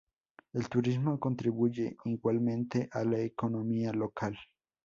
El turismo contribuye igualmente a la economía local.